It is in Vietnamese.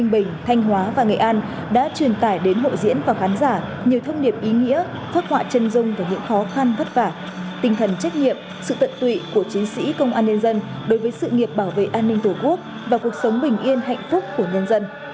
bình thanh hóa và nghệ an đã truyền tải đến hội diễn và khán giả nhiều thông điệp ý nghĩa phát họa chân dung về những khó khăn vất vả tinh thần trách nhiệm sự tận tụy của chiến sĩ công an nhân dân đối với sự nghiệp bảo vệ an ninh tổ quốc và cuộc sống bình yên hạnh phúc của nhân dân